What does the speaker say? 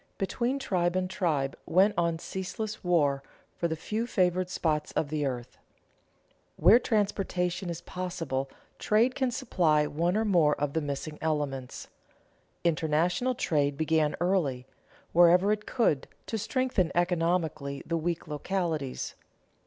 Between tribe and tribe went on ceaseless war for the few favored spots of the earth. Where transportation is possible, trade can supply one or more of the missing elements. International trade began early, wherever it could, to strengthen economically the weak localities.